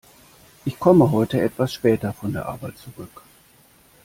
Ich komme heute etwas später von der Arbeit zurück.